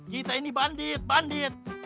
kita ini bandit bandit